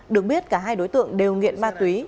được biết cả hai đối tượng đều nghiện ma túy